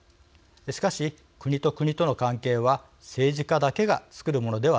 しかし国と国との関係は政治家だけがつくるものではありません。